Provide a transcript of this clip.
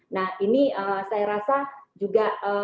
nah ini saya rasa juga